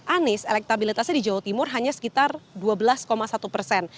anies elektabilitasnya di jawa timur hanya sekitar dua belas satu persen